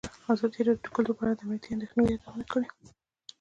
ازادي راډیو د کلتور په اړه د امنیتي اندېښنو یادونه کړې.